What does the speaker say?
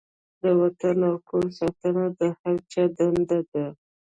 د وطن او کور ساتنه د هر چا دنده ده.